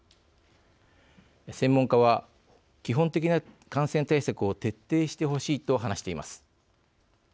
専門家は、基本的な感染対策を徹底してほしいと話しています。